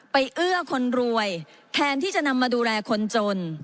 เอื้อคนรวยแทนที่จะนำมาดูแลคนจน